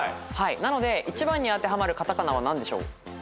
なので１番に当てはまる片仮名は何でしょう？